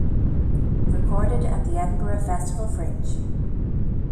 Recorded at the Edinburgh Festival Fringe.